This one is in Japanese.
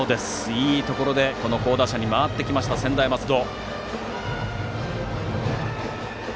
いいところで好打者に回ってきました専大松戸。